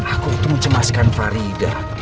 aku tuh mencemaskan farida